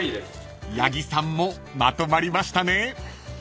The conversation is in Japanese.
［八木さんもまとまりましたね］